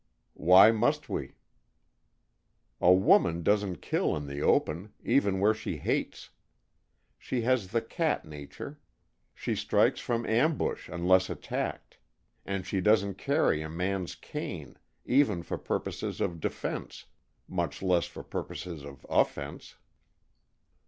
"Why must we?" "A woman doesn't kill in the open, even where she hates. She has the cat nature. She strikes from ambush, unless attacked. And she doesn't carry a man's cane, even for purposes of defense, much less for purposes of offense."